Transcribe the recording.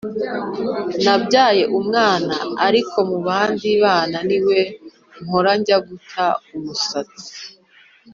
Nabyaye umwana, ariko mu bandi bana niwe mpora njya guta-Umusatsi.